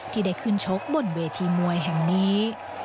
ที่ได้ขึ้นชกบนเวทีมวยแห่งนี้